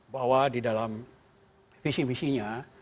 bahwa di dalam visi visinya